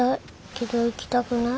けど行きたくない。